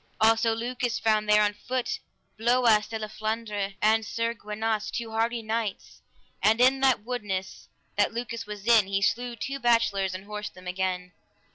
Also Lucas found there on foot, Bloias de La Flandres, and Sir Gwinas, two hardy knights, and in that woodness that Lucas was in, he slew two bachelors and horsed them again.